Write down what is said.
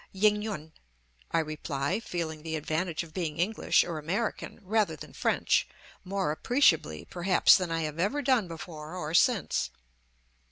"Ying yun," I reply, feeling the advantage of being English or American, rather than French, more appreciably perhaps than I have ever done before or since.